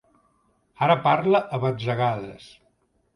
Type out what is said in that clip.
Ara parla a batzegades.